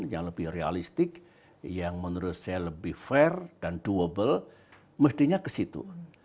yang lebih realistik yang menurut saya lebih fair dan doable mestinya ke situ